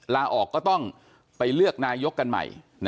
ลาออกก็ต้องไปเลือกนายกกันใหม่